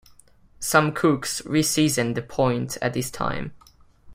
Some cooks re-season the point at this time.